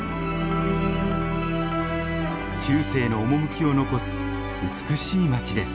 中世の趣を残す美しい町です。